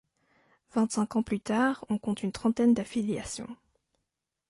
Vingt-cinq ans plus tard, on compte une trentaine d'affiliations.